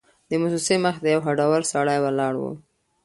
د موسسې مخې ته یو هډور سړی ولاړ و.